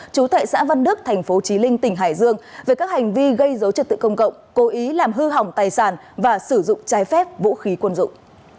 chú tại xã văn đức tp chí linh tỉnh hải dương về các hành vi gây dấu trật tự công cộng cố ý làm hư hỏng tài sản và sử dụng trái phép vũ khí quân dụng